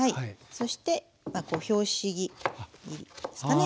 そして拍子木切りですかね